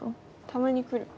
たまに来る。